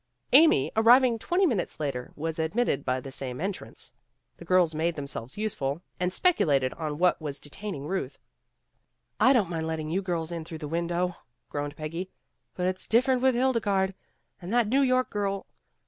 Amy arriving twenty minutes later was admitted by the same en trance. The girls made themselves useful and 196 PEGGY RAYMOND'S WAY speculated on what was detaining Ruth. "I don't mind letting you girls in through the window," groaned Peggy. "But it's dif ferent with Hildegarde. And that New York girl.